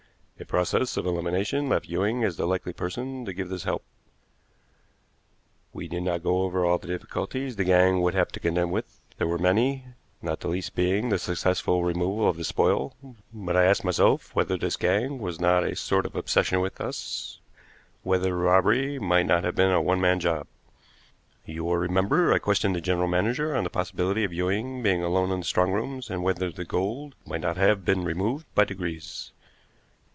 A process of elimination left Ewing as the likely person to give this help. We need not go over all the difficulties the gang would have to contend with; they were many, not the least being the successful removal of the spoil; but I asked myself whether this gang was not a sort of obsession with us, whether the robbery might not have been a one man job. You will remember I questioned the general manager on the possibility of Ewing being alone in the strong rooms, and whether the gold might not have been removed by degrees.